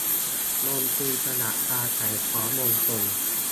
ดนตรีสลับปราศรัยพร้อมมวลชน